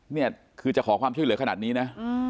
เนี่ยคือจะขอความช่วยเหลือขนาดนี้นะ